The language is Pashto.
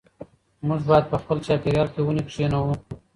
موږ باید په خپل چاپېریال کې ونې کېنوو.